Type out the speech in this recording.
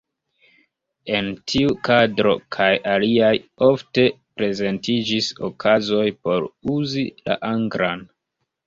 En tiu kadro kaj aliaj, ofte prezentiĝis okazoj por uzi la anglan.